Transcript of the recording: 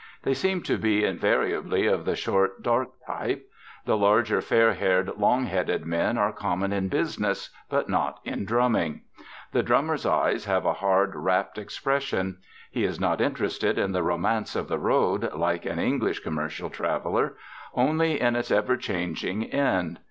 They seem to be invariably of the short, dark type. The larger, fair haired, long headed men are common in business, but not in 'drumming.' The drummer's eyes have a hard, rapt expression. He is not interested in the romance of the road, like an English commercial traveller; only in its ever changing end.